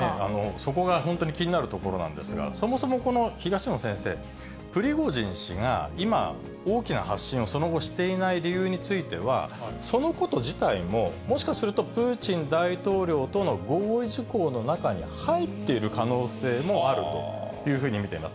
そこが本当に気になるところなんですが、そもそもこの東野先生、プリゴジン氏が今、大きな発信を、その後、していない理由については、そのこと自体も、もしかするとプーチン大統領との合意事項の中に入っている可能性もあるというふうに見てます。